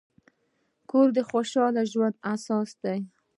کور د خوشحال ژوند اساس دی.